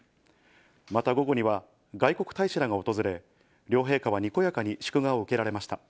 また午後には、外国大使らが訪れ、両陛下はにこやかに祝賀を受けられました。